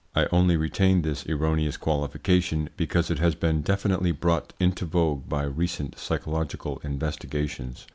I only retain this erroneous qualification because it has been definitely brought into vogue by recent psychological investigations.